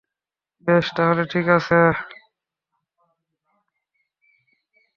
বেশ, তাহলে ঠিক আছে।